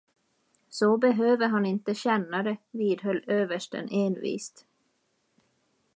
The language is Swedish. Så behöver han inte känna det, vidhöll översten envist.